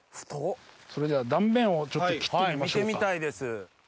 それでは断面をちょっと切ってみましょうか。